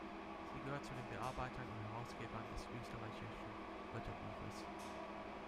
Sie gehört zu den Bearbeitern und Herausgebern des Österreichischen Wörterbuches.